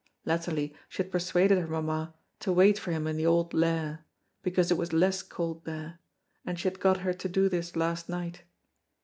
Latterly she had persuaded her mamma to wait for him in the old Lair, because it was less cold there, and she had got her to do this last night.